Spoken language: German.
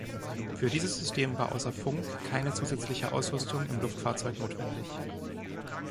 Für dieses System war außer Funk keine zusätzliche Ausrüstung im Luftfahrzeug notwendig.